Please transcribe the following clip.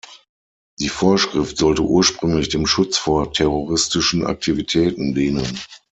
Die Vorschrift sollte ursprünglich dem Schutz vor terroristischen Aktivitäten dienen.